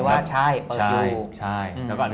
แล้วก็อนุญาตทางไฟล์ตต่างชาติบินระหว่างประเทศบินได้ตามปกติ